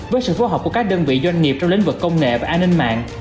với sự phối hợp của các đơn vị doanh nghiệp trong lĩnh vực công nghệ và an ninh mạng